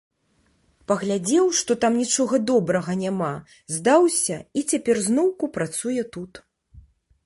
Паглядзеў, што там нічога добрага няма, здаўся і цяпер зноўку працуе тут.